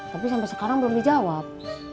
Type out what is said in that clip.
tapi sampai sekarang belum dijawab